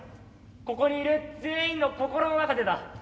ここにいる全員の心の中でだ。